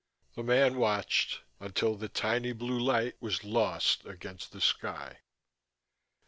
The man watched until the tiny blue light was lost against the sky.